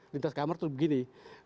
lintas kamar itu begini